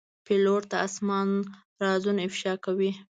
پیلوټ د آسمان رازونه افشا کوي.